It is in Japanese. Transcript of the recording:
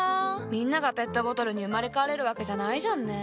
みんながペットボトルに生まれ変われるわけじゃないじゃんね。